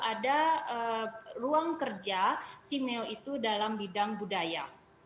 ada ruang kerja simeo itu dalam bidang budaya